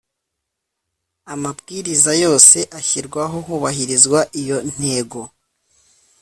amabwiriza yose ashyirwaho hubahirizwa iyi ntego